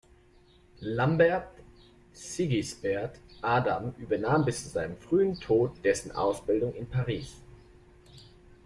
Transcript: Lambert-Sigisbert Adam übernahm bis zu seinem frühen Tod dessen Ausbildung in Paris.